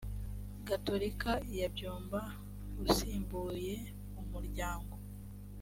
gatolika ya byumba usimbuye umuryango.